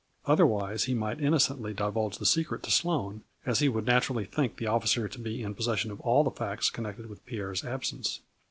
Otherwise he might inno cently divulge the secret to Sloane, as he would naturally think the officer to be in possession of all the facts connected with Pierre's absence.